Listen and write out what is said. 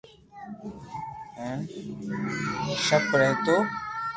ھين شپ رھتو